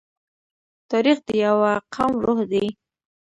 تاریخ د یوه قوم روح دی.